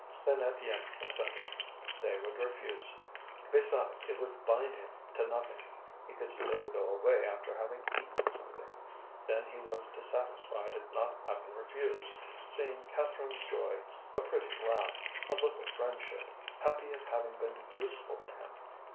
Then Étienne consented. They would refuse. Besides, it would bind him to nothing, he could still go away after having eaten something. Then he was dissatisfied at not having refused, seeing Catherine's joy, a pretty laugh, a look of friendship, happy at having been useful to him.